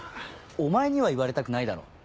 お前には言われたくないだろ。